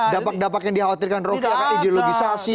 dapak dapak yang dikhawatirkan rocky akan ideologisasi